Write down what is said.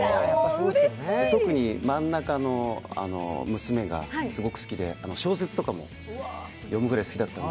特に、真ん中の娘がすごく好きで、小説とかも読むぐらい好きだったので。